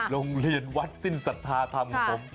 โรงเรียนวัดสิ้นสัทธาธรรมของผม